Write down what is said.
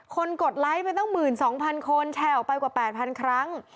กดไลค์ไปตั้ง๑๒๐๐คนแชร์ออกไปกว่า๘๐๐๐ครั้ง